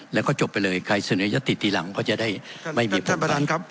แล้วก็จบไปเลยใครเสนอยติทีหลังก็จะได้ไม่มีท่านประธานครับ